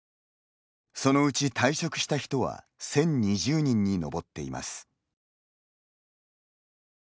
そのうち退職した人は１０２０人に上っています。